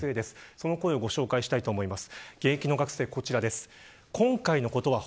その声をご紹介したいと思います。